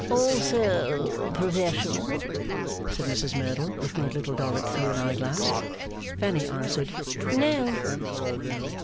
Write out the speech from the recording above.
'Also professional?' said Mrs Merdle, looking at Little Dorrit through an eye glass. Fanny answered No.